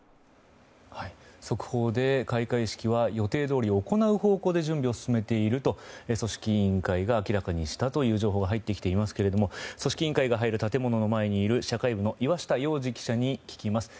速報で開会式は予定どおり行う方向で準備を進めていると組織委員会が明らかにしたという情報が入ってきていますが組織委員会が入る建物の前にいる社会部の岩下耀司記者に聞きます。